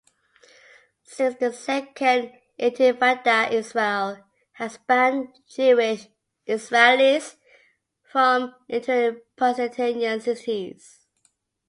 Since the Second Intifada, Israel has banned Jewish Israelis from entering Palestinian cities.